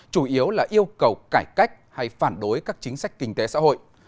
chủ yếu là yêu cầu cải cách hay phản đối các chính sách kinh tế xã hội